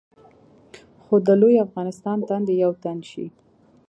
خو د لوی افغانستان تن دې یو تن شي.